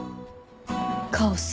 カオス。